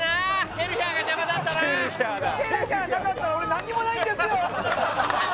ケルヒャーなかったら俺何にもないんですよ